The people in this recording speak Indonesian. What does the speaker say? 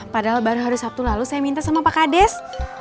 padahal baru hari sabtu lalu saya minta sama pak kades